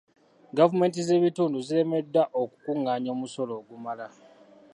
Gavumenti z'ebitundu ziremereddwa okukungaanya omusolo ogumala.